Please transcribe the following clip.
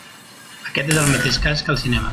Aquest és el mateix cas que el cinema.